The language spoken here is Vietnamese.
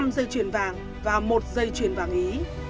năm dây chuyền vàng và một dây chuyền vàng nhí